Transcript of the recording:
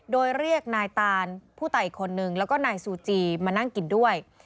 โดยเรียกนายตานผู้ตายอีกคนนึงแล้วก็นายซูจีมานั่งกินด้วย